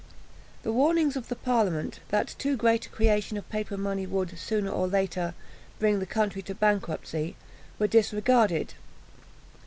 The warnings of the parliament, that too great a creation of paper money would, sooner or later, bring the country to bankruptcy, were disregarded.